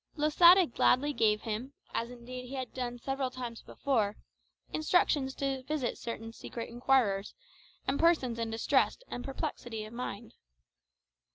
Losada gladly gave him, as indeed he had done several times before, instructions to visit certain secret inquirers, and persons in distress and perplexity of mind.